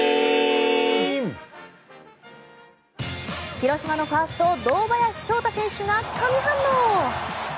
広島のファースト堂林翔太選手が神反応。